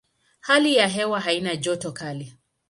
Hali ya hewa haina joto kali.